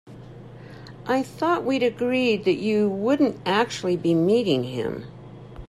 I thought we'd agreed that you wouldn't actually be meeting him?